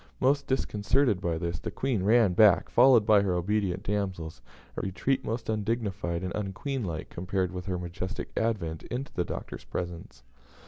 Much disconcerted by this, the Queen ran back, followed by her obedient damsels a retreat most undignified and unqueenlike, compared with her majestic advent into the Doctor's presence.